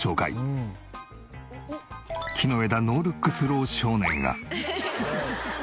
木の枝ノールックスロー少年が。